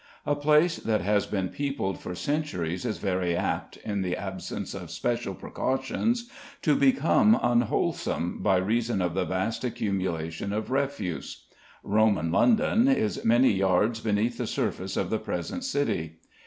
A place that has been peopled for centuries is very apt, in the absence of special precautions, to become unwholesome by reason of the vast accumulation of refuse. Roman London is many yards beneath the surface of the present City.